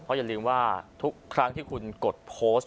เพราะอย่าลืมว่าทุกครั้งที่คุณกดโพสต์